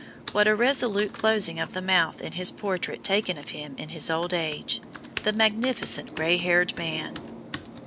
What a resolute closing of the mouth in his portrait taken of him in his old age "the magnificent grey haired man!"